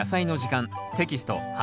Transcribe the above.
テキスト８